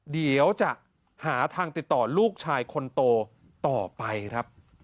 เดี๋ยวจะหาทางติดต่อลูกชายคนโตต่อไปครับ